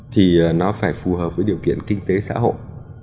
thì nó phải phù hợp với điều kiện kinh tế xã hội